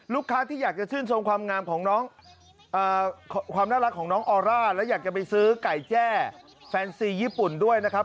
ลูกค้าที่อยากจะชื่นทรงความน่ารักของน้องออร่าและอยากจะไปซื้อไก่แจ้แฟนซีญี่ปุ่นด้วยนะครับ